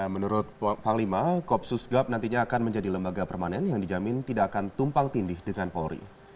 menurut panglima kopsus gap nantinya akan menjadi lembaga permanen yang dijamin tidak akan tumpang tindih dengan polri